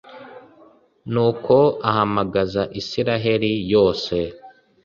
nuko ahamagaza israheli yose